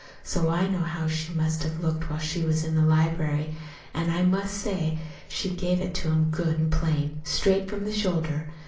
So I know how she must have looked while she was in the library. An' I must say she give it to him good an' plain, straight from the shoulder.